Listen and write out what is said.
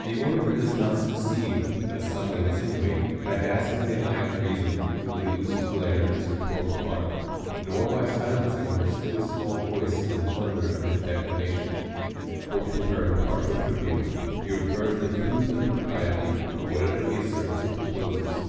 The orator does not succeed, as some would insin uate, by dazzling the eye of reason with the illusive glare of his rhetorical art, nor. by silencing her still small voice in the thunder of his declamr..iion : for to her impartial tribunal he refers the truth and propriety of whatever he asserts or proposes.